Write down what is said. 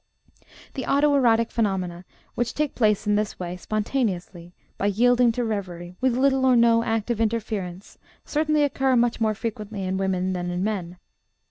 The auto erotic phenomena which take place in this way, spontaneously, by yielding to revery, with little or no active interference, certainly occur much more frequently in women than in men.